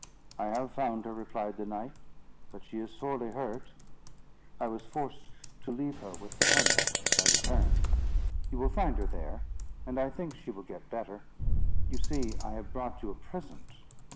"I have found her," replied the knight, "but she is sorely hurt. I was forced to leave her with the hermit, as I returned. You will find her there, and I think she will get better. You see I have brought you a present.